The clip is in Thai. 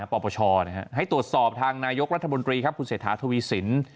ปปชให้ตรวจสอบทางนายกรัฐมนตรีคุณเสถาธุวีศิลป์